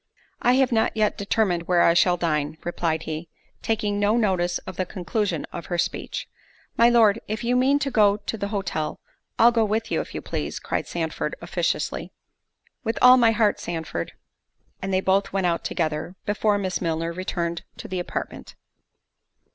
"I have not yet determined where I shall dine," replied he, taking no notice of the conclusion of her speech. "My Lord, if you mean to go to the hotel, I'll go with you, if you please," cried Sandford officiously. "With all my heart, Sandford—" and they both went out together, before Miss Milner returned to the apartment.